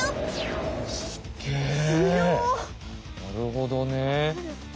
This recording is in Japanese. なるほどね。